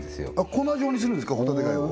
粉状にするんですかホタテ貝を？